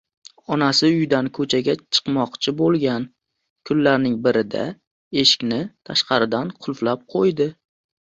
Onasi uydan ko`chaga chiqmoqchi bo`lgan kunlarning birida eshikni tashqaridan qulflab qo`ydi